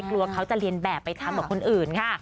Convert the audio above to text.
กลัวเขาจะเรียนแบบไปทำกับคนอื่นค่ะ